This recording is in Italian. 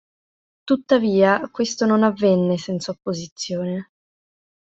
Tuttavia, questo non avvenne senza opposizione.